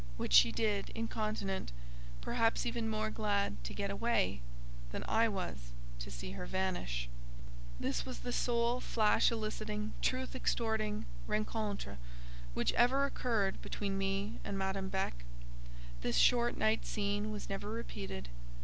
Which she did incontinent, perhaps even more glad to get away, than I was to see her vanish. This was the sole flash eliciting, truth extorting, rencontre which ever occurred between me and Madame Beck: this short night scene was never repeated.